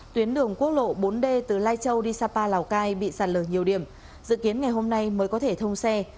tuyến đường quốc lộ bốn d từ lai châu đi sapa lào cai bị sạt lở nhiều điểm dự kiến ngày hôm nay mới có thể thông xe